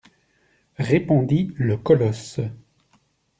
Répondit le colosse.